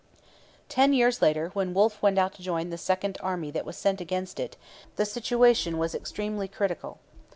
Ten years later, when Wolfe went out to join the second army that was sent against it, the situation was extremely critical.